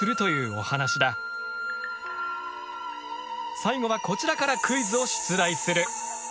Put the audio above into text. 最後はこちらからクイズを出題する。